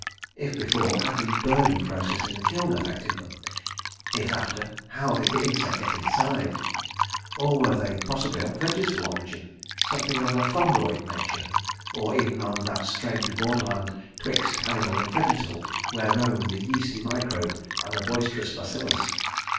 If before, had the burning process in the kiln affected them? If after, how did the insect get inside? Or were they possibly of vegetable origin—something of a fungoid nature—or even on that strange borderland 'twixt animal and vegetable where roam the yeasty microbe and boisterous bacillus?